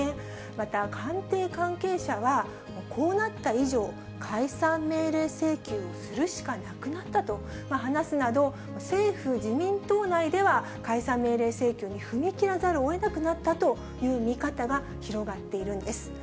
また、官邸関係者は、こうなった以上、解散命令請求をするしかなくなったと話すなど、政府・自民党内では解散命令請求に踏み切らざるを得なくなったという見方が広がっているんです。